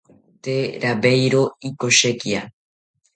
Tee rawiero ikoshekia